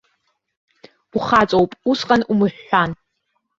Ухаҵоуп, усҟан умыҳәҳәан.